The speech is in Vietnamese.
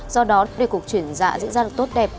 do đó để cuộc chuyển dạ dễ dàng tốt đẹp